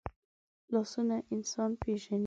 لاسونه انسان پېژني